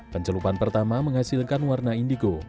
pencelupan pertama menghasilkan warna indigo